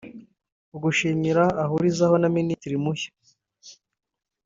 ugushimira ahurizaho na Minisitiri mushya